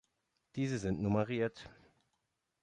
Diese sind nummeriert.